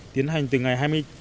tiến hành từ ngày hai mươi bốn